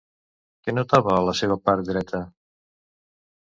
Què notava a la seva part dreta?